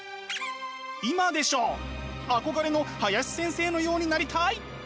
憧れの林先生のようになりたい！